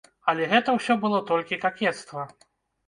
Але гэта ўсё было толькі какецтва.